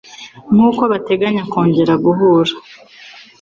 Nkuko bateganya kongera guhura